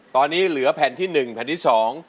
ตอนนี้เหลือแผ่นที่๑แผ่นที่๒